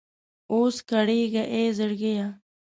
اوس کړېږه اې زړګيه!